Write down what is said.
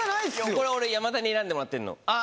これ、山田に選んでもらってるの。